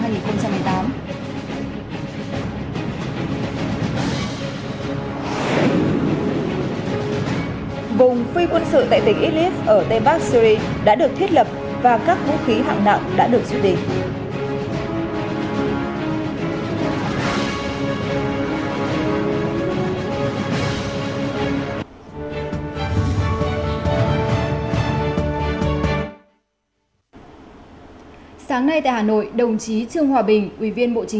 vùng phi quân sự tại tỉnh idlib ở tây bắc syria đã được thiết lập và các vũ khí hạng nặng đã được xuất định